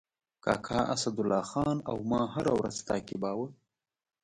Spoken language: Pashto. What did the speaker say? کاکا اسدالله خان او ما هره ورځ تعقیباوه.